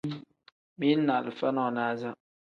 Mili ni alifa nonaza.